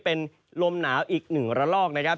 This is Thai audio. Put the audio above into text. เป็นลมหนาวอีกหนึ่งระลอกนะครับ